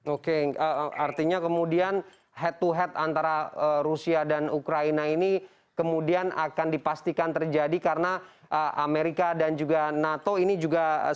oke artinya kemudian head to head antara rusia dan ukraina ini kemudian akan dipastikan terjadi karena amerika dan juga nato ini juga